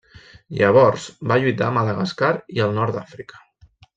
Llavors va lluitar a Madagascar i al nord d'Àfrica.